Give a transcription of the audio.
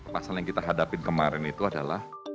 pasal yang kita hadapin kemarin itu adalah